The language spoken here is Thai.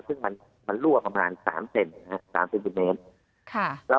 ซึ่งมันรั่วประมาณ๓เซ็นติเมตร